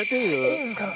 いいんですか？